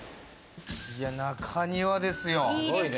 中庭ですよ。